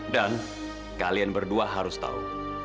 dan kalian berdua harus tahu